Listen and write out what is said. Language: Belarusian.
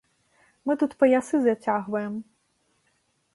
Мы тут паясы зацягваем.